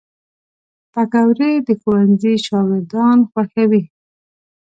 پکورې د ښوونځي شاګردان خوښوي